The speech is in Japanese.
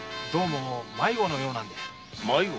どうも迷子のようなんで。